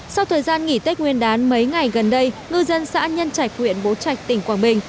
sau thời gian nghỉ tết nguyên đán mấy ngày gần đây ngư dân xã nhân trạch huyện bố trạch tỉnh quảng bình